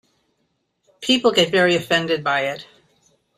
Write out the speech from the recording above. People get very offended by it.